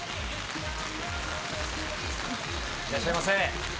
いらっしゃいませ。